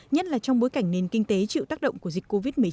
nhất là trong bối cảnh nền kinh tế chịu tác động của dịch covid một mươi chín